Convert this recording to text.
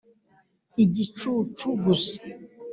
igicucu gusa.